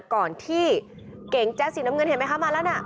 ก่อนที่เก๋งแจ๊สสีน้ำเงินเห็นไหมคะมาแล้วน่ะ